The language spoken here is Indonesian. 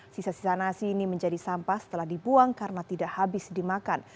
sisa sisa nasi ini menjadi sampah setelah dibuang karena tidak habis dimakan